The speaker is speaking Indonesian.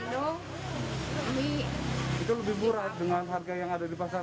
ini itu lebih murah dengan harga yang ada di pasar